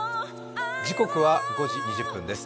時刻は５時２０分です。